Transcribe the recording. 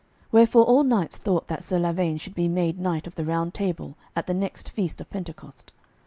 Wherefore all knights thought that Sir Lavaine should be made knight of the Round Table at the next feast of Pentecost.